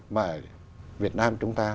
mà việt nam chúng ta